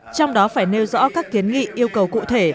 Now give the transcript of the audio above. trong đó phải nêu rõ các kiến nghị yêu cầu cụ thể